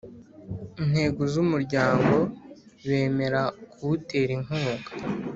Intego z umuryango bemera kuwutera inkunga